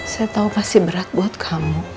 saya tahu pasti berat buat kamu